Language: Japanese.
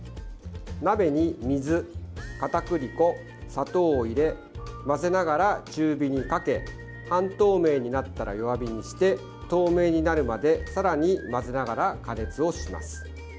鍋に水、片栗粉、砂糖を入れ混ぜながら中火にかけ半透明になったら弱火にして透明になるまでさらに混ぜながら加熱をします。